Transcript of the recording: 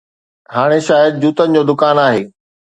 هاڻي شايد جوتن جو دڪان آهي.